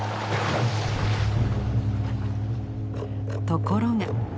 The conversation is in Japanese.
ところが！